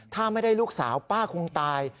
ถ้าไม่ได้ลูกสาวป้าคงตาย